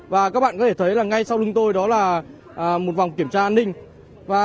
các bạn có thể thấy ngay sau lưng tôi đó là một vòng kiểm tra an ninh